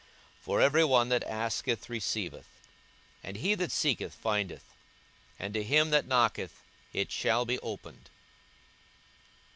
42:011:010 For every one that asketh receiveth; and he that seeketh findeth; and to him that knocketh it shall be opened.